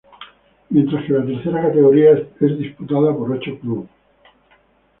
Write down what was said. Mientras que la tercera categoría es disputada por ocho clubes.